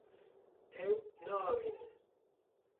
Ew naavînin.